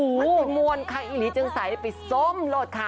มันเป็นมวลค่ะอีหลีเจิงสายไปส้มรถค่ะ